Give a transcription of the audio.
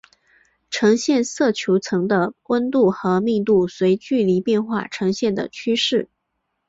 呈现色球层的温度和密度随距离变化呈现的趋势。